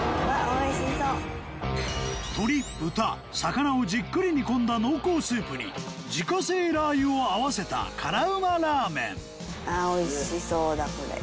鶏豚魚をじっくり煮込んだ濃厚スープに自家製ラー油を合わせた辛ウマラーメンああ美味しそうだこれ。